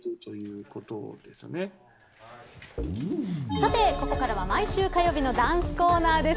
さて、ここからは毎週火曜日のダンスコーナーです。